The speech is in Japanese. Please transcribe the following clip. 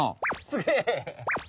すげえ！